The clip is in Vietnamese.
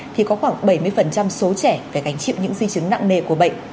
thì có khoảng bảy mươi số trẻ phải gánh chịu những di chứng nặng nề của bệnh